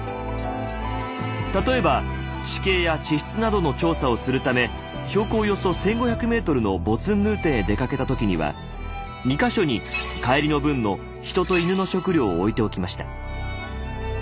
例えば地形や地質などの調査をするため標高およそ１，５００ｍのボツンヌーテンへ出かけた時には２か所に帰りの分の人と犬の食料を置いておきました。